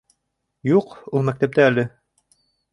— Юҡ, ул мәктәптә әле.